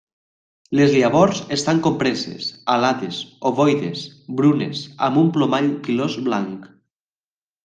Les llavors estan compreses, alades, ovoides, brunes, amb un plomall pilós blanc.